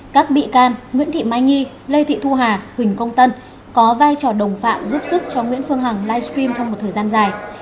các bị can nguyễn thị mai nhi lê thị thu hà huỳnh công tân có vai trò đồng phạm giúp sức cho nguyễn phương hằng livestream trong một thời gian dài